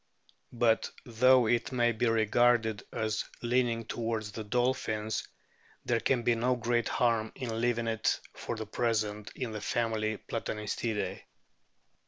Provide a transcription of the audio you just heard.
But, though it may be regarded as leaning towards the dolphins, there can be no great harm in leaving it for the present in the family Platanistidae.